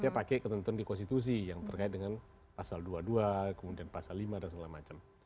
dia pakai ketentuan di konstitusi yang terkait dengan pasal dua puluh dua kemudian pasal lima dan segala macam